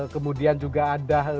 kemudian juga ada